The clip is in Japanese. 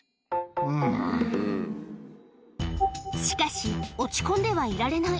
うーん。しかし、落ち込んではいられない。